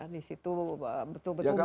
di situ betul betul melting pot kan